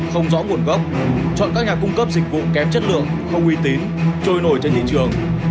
không rõ nguồn gốc chọn các nhà cung cấp dịch vụ kém chất lượng không uy tín trôi nổi trên thị trường